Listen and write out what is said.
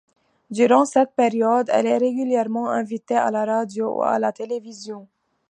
Durant cette période, elle est régulièrement invitée à la radio, ou à la télévision.